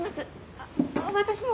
あっ私も！